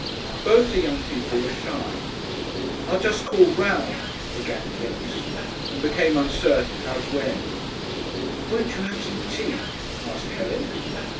Both the young people were shy. "I jest called 'round," began Kipps, and became uncertain how to end. "Won't you have some tea?" asked Helen.